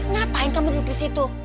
ngapain kamu duduk di situ